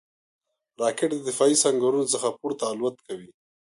راکټ د دفاعي سنګرونو څخه پورته الوت کوي